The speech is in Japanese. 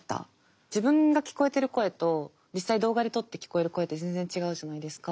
自分が聞こえてる声と実際動画で撮って聞こえる声って全然違うじゃないですか。